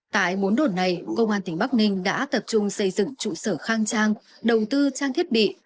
tại bốn đổn này công an tỉnh bắc ninh đã tập trung xây dựng trụ sở khang trang đầu tư trang thiết bị